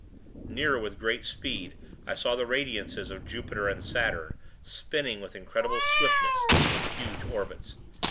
... nearer with great speed. I saw the radiances of Jupiter and Saturn, spinning, with incredible swiftness, in huge orbits.